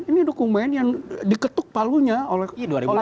ini dokumen yang diketuk palunya oleh pembahasan